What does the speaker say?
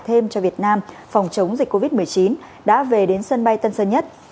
thêm cho việt nam phòng chống dịch covid một mươi chín đã về đến sân bay tân sơn nhất